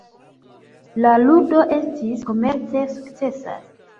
La ludo estis komerce sukcesas.